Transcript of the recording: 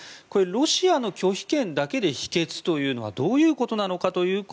ロシアの拒否権だけで否決というのはどういうことなのか。